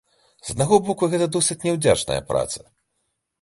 З аднаго боку, гэта досыць няўдзячная праца.